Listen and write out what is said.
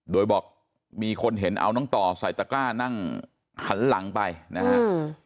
โดยบอกมีคนเห็นเอาน้องต่อใส่ตะกร้านั่งหันหลังไปนะครับ